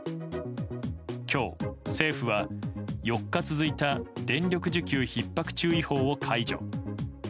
今日、政府は４日続いた電力需給ひっ迫注意報を解除。